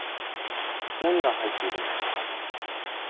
何が入っているのですか。